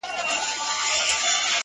موري ډېوه دي ستا د نور د شفقت مخته وي _